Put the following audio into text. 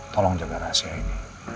tolong jaga rahasia ini